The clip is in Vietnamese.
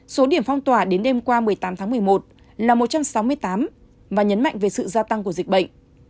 số điểm phong tỏa đến đêm qua một mươi tám tháng một mươi một là một trăm sáu mươi tám và nhấn mạnh về sự gia tăng của dịch bệnh